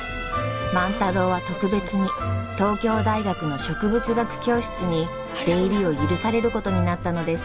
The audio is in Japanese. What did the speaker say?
万太郎は特別に東京大学の植物学教室に出入りを許されることになったのです。